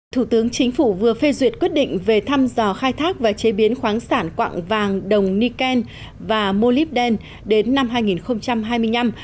thủ tướng chính phủ vừa phê duyệt quyết định về thăm dò khai thác và chế biến khoáng sản quạng vàng đồng nikken và mô liben đến năm hai nghìn hai mươi năm